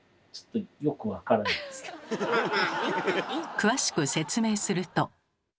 詳しく説明すると。